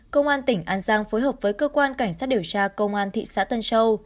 công an tỉnh an giang phối hợp với cơ quan cảnh sát điều tra công an thị xã tân châu